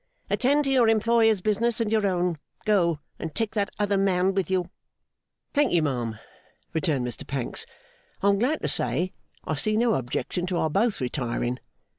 Attend to your employer's business and your own. Go. And take that other man with you.' 'Thank you, ma'am,' returned Mr Pancks, 'I am glad to say I see no objection to our both retiring.